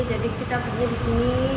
jadi kita pergi beli